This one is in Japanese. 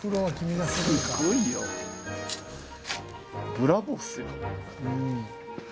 ブラボーっすよ。